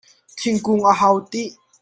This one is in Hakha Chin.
Thingkung a hau tih?